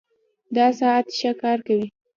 دا ساعت ښه کار کوي